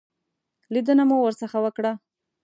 لیدنه مو ورڅخه وکړه.